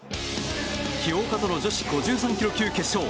清岡との女子５３ｋｇ級決勝。